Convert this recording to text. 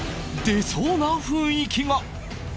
出そうな雰囲気が！